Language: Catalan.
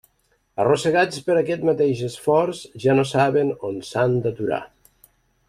Arrossegats per aquest mateix esforç, ja no saben on s'han d'aturar.